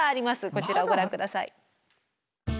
こちらをご覧下さい。